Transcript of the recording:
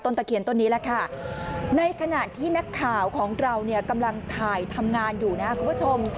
ตะเคียนต้นนี้แหละค่ะในขณะที่นักข่าวของเราเนี่ยกำลังถ่ายทำงานอยู่นะครับคุณผู้ชม